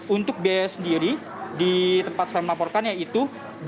untuk biaya sendiri di tempat saya melaporkan yaitu